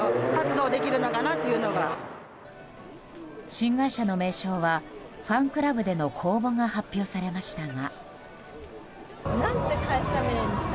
新会社の名称はファンクラブでの公募が発表されましたが。